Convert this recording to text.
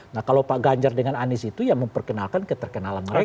nah kalau pak ganjar dengan anies itu ya memperkenalkan keterkenalan mereka